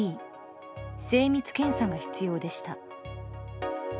精密検査が必要でした。